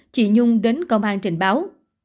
chị nhung đến công an trình báo